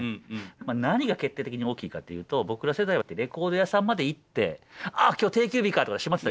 何が決定的に大きいかっていうと僕ら世代はレコード屋さんまで行って「あ！今日定休日か」とか閉まってたりしてね。